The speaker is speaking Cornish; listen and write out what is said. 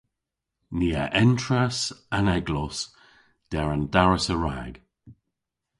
Ni a entras an eglos der an daras a-rag.